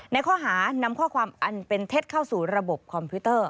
ในข้อหานำข้อความอันเป็นเท็จเข้าสู่ระบบคอมพิวเตอร์